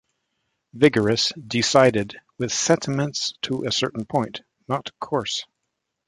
Vigorous, decided, with sentiments to a certain point; not coarse.